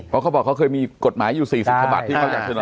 เพราะเขาบอกเขาเคยมีกฎหมายอยู่๔๐ฉบับที่เขาอยากเสนอ